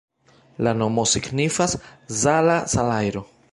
La nomo signifas: Zala-salajro.